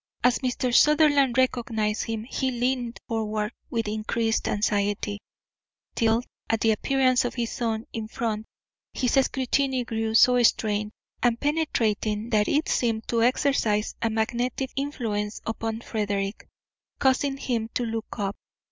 As Mr. Sutherland recognised him he leaned forward with increased anxiety, till at the appearance of his son in front his scrutiny grew so strained and penetrating that it seemed to exercise a magnetic influence upon Frederick, causing him to look up.